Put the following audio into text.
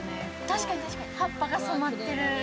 確かに、葉っぱが染まってる。